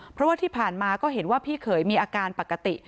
เพราะว่าที่ผ่านมาก็เห็นว่าพี่เขยมีอาการปกติ